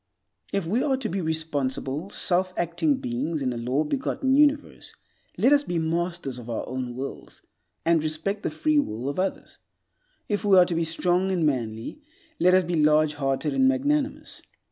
If we are to be responsible, self acting beings in a law begotten universe, let us be masters of our own wills, and respect the free will of others. If we are to be strong and manly, let us be large hearted and magnanimous.